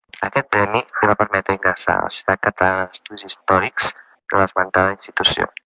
Aquest premi li va permetre ingressar a la Societat Catalana d'Estudis Històrics de l'esmentada Institució.